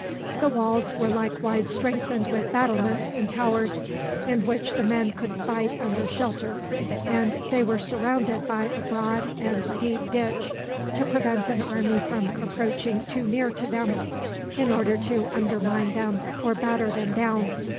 The walls were likewise strengthened with battlements and towers, in which the men could fight under shelter, and they were surrounded by a broad and deep ditch, to prevent an enemy from approaching too near to them, in order to undermine them or batter them down.